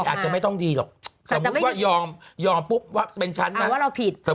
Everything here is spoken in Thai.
สติอาจจะไม่ต้องดีหรอกสมมติว่ายอมปุ๊บว่าเป็นฉันนะ